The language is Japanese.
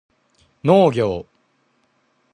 農業